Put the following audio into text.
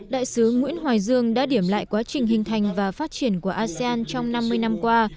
đại sứ nguyễn hoài dương đã điểm lại quá trình hình thành và phát triển của asean trong năm mươi năm qua